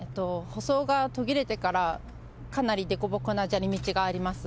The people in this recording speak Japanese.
舗装が途切れてからかなり凸凹な砂利道があります。